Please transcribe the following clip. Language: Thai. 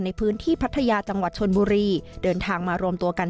ในพื้นที่พัทยาจังหวัดชนบุรีเดินทางมารวมตัวกัน